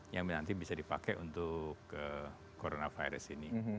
yang nanti bisa dipakai untuk coronavirus ini